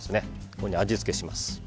ここに味付けします。